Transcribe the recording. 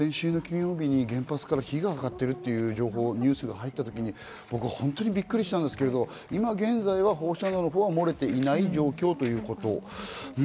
先週金曜日に原発から火が上がってるとニュースが入ったとき僕は本当にびっくりしたんですけど、今現在は放射能は漏れていない状況ということ。